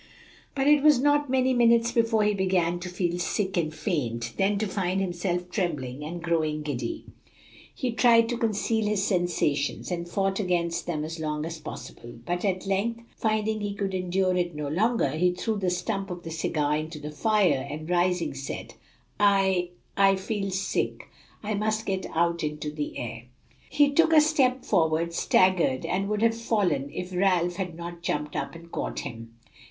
But it was not many minutes before he began to feel sick and faint, then to find himself trembling and growing giddy. He tried to conceal his sensations, and fought against them as long as possible. But at length, finding he could endure it no longer, he threw the stump of the cigar into the fire, and rising, said, "I I feel sick. I must get out into the air." He took a step forward, staggered, and would have fallen, if Ralph had not jumped up and caught him.